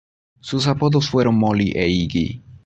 Sus apodos fueron "Molly" e "Iggy".